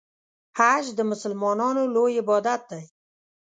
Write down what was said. حج د مسلمانانو لوی عبادت دی.